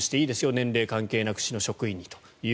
年齢関係なく、市の職員にと。